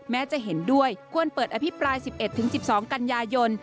แม้จะเห็นด้วยควรเปิดอภิปราย๑๑๑๒กันยายน